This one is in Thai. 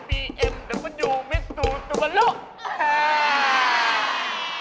บีเอ็มเดอร์บอดยูมิสสุซูบาลูก